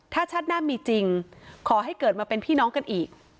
ถ้าชาติหน้ามีจริงขอให้เกิดมาเป็นพี่น้องกันอีก